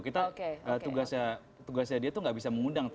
kita tugasnya dia tuh gak bisa mengundang